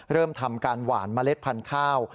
เริ่มทำการหวานเมล็ดพันธุ์ข้าว